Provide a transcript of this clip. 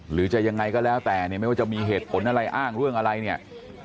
หรือจะยังไงก็แล้วแต่เนี่ยไม่ว่าจะมีเหตุผลอะไรอ้างเรื่องอะไรเนี่ย